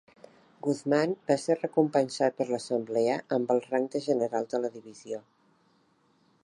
Guzman va ser recompensat per l'assemblea amb el rang de general de la divisió.